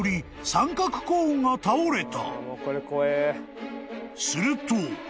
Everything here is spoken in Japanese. ［三角コーンが立った］